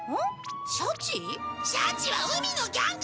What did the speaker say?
シャチは海のギャングなんだぞ！